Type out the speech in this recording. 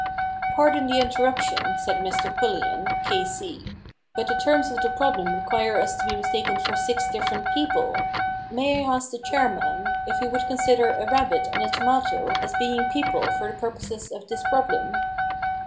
* Pardon the interruption,' said Mr Quillian, K.C., * but the terms of the problem require us to be mistaken for six different people. May I ask the chairman if he would consider a rabbit and a tomato as being people for the purposes, of this problem